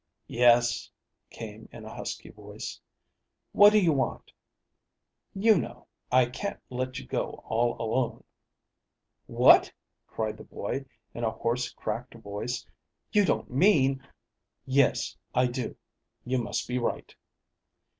"Yes," came in a husky voice. "What do you want?" "You know. I can't let you go all alone." "What!" cried the boy, in a hoarse, cracked voice. "You don't mean " "Yes, I do. You must be right."